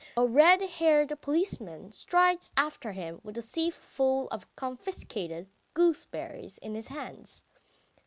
A red haired policeman strides after him with a sieve full of confiscated gooseberries in his hands.